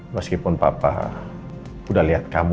meskipun papa udah lihat kamu